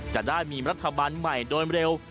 จะได้มีรัฐบาลใหม่โดยเร็ว